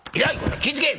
気ぃ付け！」。